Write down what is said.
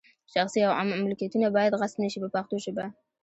شخصي او عامه ملکیتونه باید غصب نه شي په پښتو ژبه.